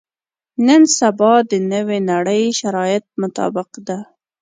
نن سبا د نوې نړۍ شرایطو مطابق ده.